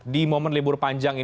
di momen libur panjang